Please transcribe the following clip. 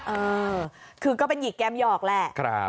เออคือก็เป็นหยิกแก้มหยอกแหละ